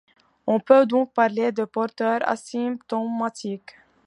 On peut donc parler de porteurs asymptomatiques.